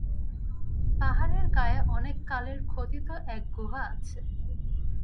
পাহাড়ের গায়ে অনেক কালের খোদিত এক গুহা আছে।